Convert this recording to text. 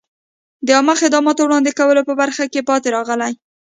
د عامه خدماتو وړاندې کولو په برخه کې پاتې راغلي.